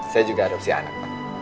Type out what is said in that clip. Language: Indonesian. saya juga adopsi anak